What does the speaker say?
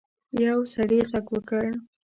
یو سړي غږ وکړ.